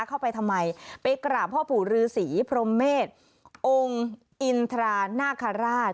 เข้าไปทำไมไปกราบพ่อปู่ฤษีพรมเมษองค์อินทรานาคาราช